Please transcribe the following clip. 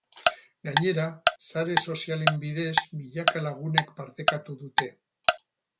Gainera, sare sozialen bidez milaka lagunek partekatu dute.